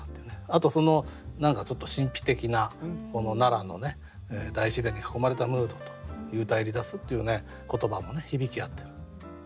あと何かちょっと神秘的な奈良の大自然に囲まれたムードと「幽体離脱」っていう言葉も響き合ってる。